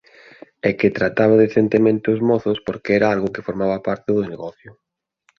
E que trataba decentemente os mozos porque era algo que formaba parte do negocio.